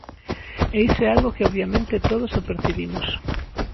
E iso é algo que obviamente todos o percibimos.